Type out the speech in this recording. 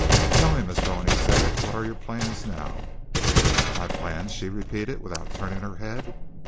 "Tell me, Miss Rowan," he said, "what are your plans now?" "My plans?" she repeated, without turning her head.